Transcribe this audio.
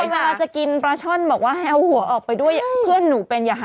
มันก็จะแบบปริ๊บอย่างนี้อะ